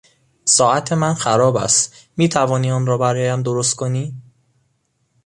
ساعت من خراب است; میتوانی آن را برایم درست کنی؟